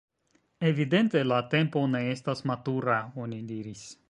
“Evidente la tempo ne estas matura,” oni diris.